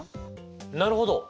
なるほど！